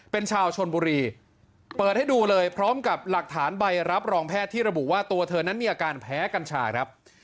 เป็นชาวชนบุรีเปิดให้ดูเลยพร้อมกับหลักฐานใบรับรองแพทย์ที่ระบุว่าตัวเธอนั้นมีอาการแพ้กัญชาครับ